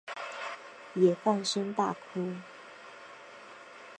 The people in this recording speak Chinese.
也放声大哭